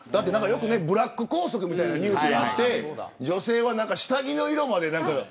よくブラック校則みたいなニュースあって女性は下着の色までとか。